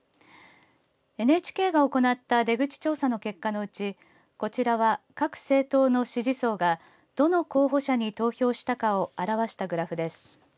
ＮＨＫが行った出口調査の結果のうち、こちらは各政党の支持層がどの候補者に投票したかを表したグラフです。